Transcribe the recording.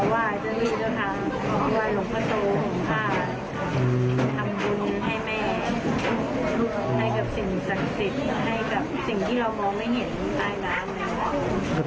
ก็มีคนถูกลงบอกอีกว่ามันไม่ใช่น่ะ